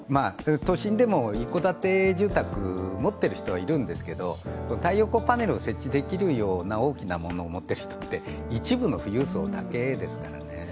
都心でも一戸建て住宅、持ってる人はいるんですけど太陽光パネルを設置できるような大きなものを持っている人って一部の富裕層だけですからね。